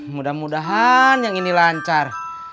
mudah mudahan yang ini lancar